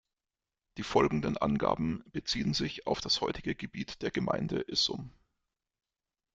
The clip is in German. Die folgenden Angaben beziehen sich auf das heutige Gebiet der Gemeinde Issum.